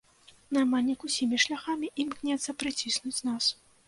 Наймальнік усімі шляхамі імкнецца прыціснуць нас.